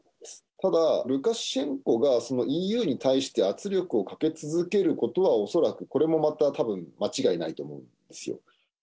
ただ、ルカシェンコがＥＵに対して圧力をかけ続けることは、恐らくこれもまた、たぶん間違いないと思うんですよ。